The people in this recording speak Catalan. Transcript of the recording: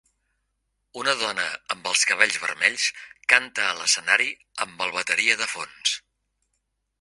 Una dona amb els cabells vermells canta a l'escenari amb el bateria de fons